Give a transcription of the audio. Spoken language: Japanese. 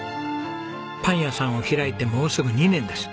パン屋さんを開いてもうすぐ２年です。